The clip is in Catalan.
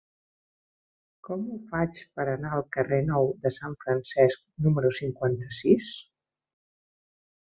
Com ho faig per anar al carrer Nou de Sant Francesc número cinquanta-sis?